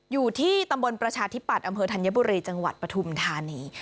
อยู่ที่ตำบลประชาธิปัตย์อำเภอธัญบุรีจังหวัดปฐุมธานี